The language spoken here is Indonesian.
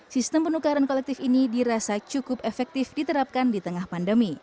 sistem penukaran kolektif ini dirasa cukup efektif diterapkan di tengah pandemi